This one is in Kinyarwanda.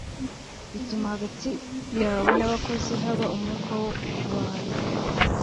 bituma hagati yawe n’abakozi haba umwuka wo kubahana